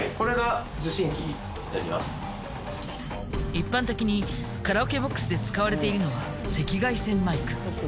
一般的にカラオケボックスで使われているのは赤外線マイク。